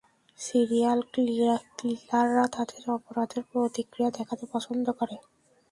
Serial কিলাররা তাদের অপরাধের প্রতিক্রিয়া দেখতে পছন্দ করে।